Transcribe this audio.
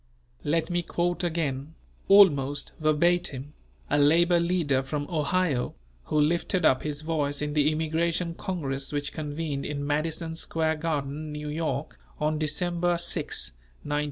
Let me quote again, almost verbatim, a labour leader from Ohio, who lifted up his voice in the Immigration Congress which convened in Madison Square Garden, New York, on December 6, 1905.